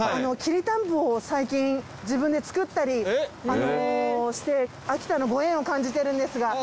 きりたんぽを最近自分で作ったりして秋田のご縁を感じてるんですが。